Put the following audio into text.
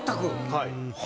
はい。